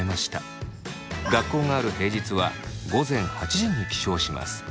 学校がある平日は午前８時に起床します。